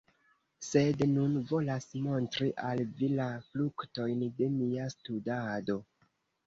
Sed nun volas montri al vi la fruktojn de mia studado.